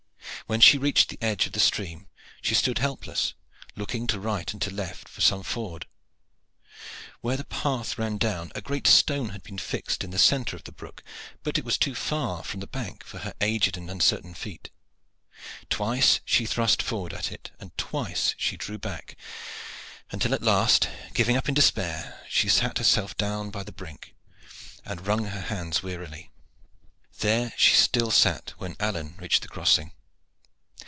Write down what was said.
When she reached the edge of the stream she stood helpless, looking to right and to left for some ford. Where the path ran down a great stone had been fixed in the centre of the brook, but it was too far from the bank for her aged and uncertain feet. Twice she thrust forward at it, and twice she drew back, until at last, giving up in despair, she sat herself down by the brink and wrung her hands wearily. There she still sat when Alleyne reached the crossing.